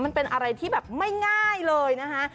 มันเป็นอะไรที่แบบไม่ง่ายเลยนะคะ